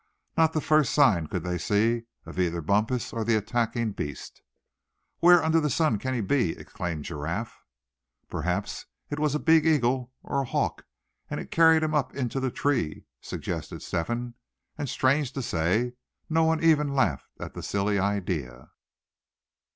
Not the first sign could they see of either Bumpus or the attacking beast. "Where under the sun can he be?" exclaimed Giraffe. "Perhaps it was a big eagle, or a hawk; and it's carried him up into a tree!" suggested Step hen; and strange to say, no one even laughed at the silly idea.